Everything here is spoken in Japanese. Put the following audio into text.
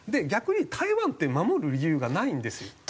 逆に台湾って守る理由がないんですよ。